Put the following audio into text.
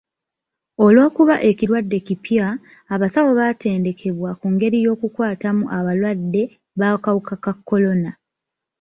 Olw'okuba ekirwadde kipya, abasawo baatendekebwa ku ngeri y'okukwatamu abalwadde b'akawuka ka kolona.